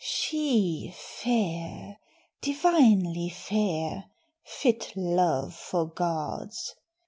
"She fair, divinely fair, fit love for gods.